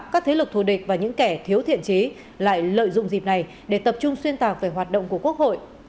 các thế lực thù địch và những kẻ thiếu thiện trí lại lợi dụng dịp này để tập trung xuyên tạc về hoạt động của quốc hội